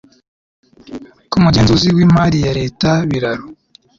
kumugenzuzi wimari yareta biraro